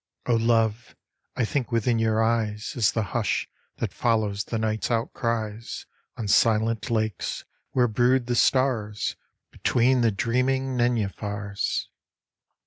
O Love, I think within your eyes Is the hush that follows the night's outcries On silent lakes where brood the stars Between the dreaming nenuphars.